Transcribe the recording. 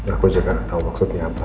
aku juga gak tahu maksudnya apa